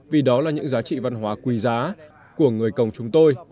vì đó là những giá trị văn hóa quý giá của người công chúng tôi